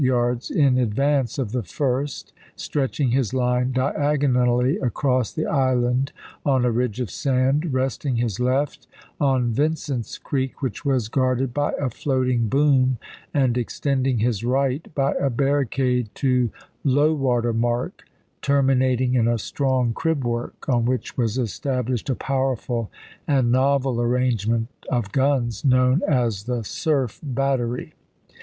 yards in advance of the first, stretching his line diagonally across the island on a ridge of sand, resting his left on Vincent's Creek, which was guarded by a floating boom, and extending his right by a barricade to low water mark, termina ting in a strong crib work, on which was established a powerful and novel arrangement of guns, known xxviil,' as the "surf battery."